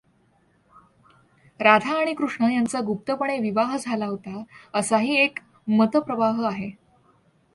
राधा आणि कृष्ण यांचा गुप्तपणे विवाह झाला होता, असाही एक मतप्रवाह आहे.